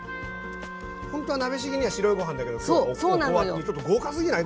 ほんとは鍋しぎには白いご飯だけど今日はおこわっていうちょっと豪華すぎない？